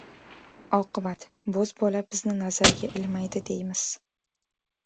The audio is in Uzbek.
Oqibat, bo‘zbola bizni nazarga ilmaydi, deymiz.